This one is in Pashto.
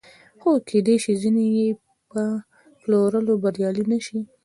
خو کېدای شي ځینې یې په پلورلو بریالي نشي